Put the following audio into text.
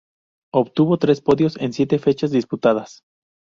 Obtuvo tres podios en siete fechas disputadas.